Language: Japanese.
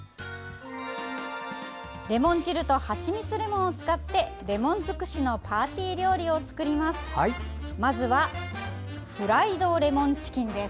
レモン汁とはちみつレモンを使ってレモン尽くしのパーティー料理を作ります。